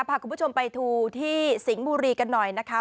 พาคุณผู้ชมไปดูที่สิงห์บุรีกันหน่อยนะคะ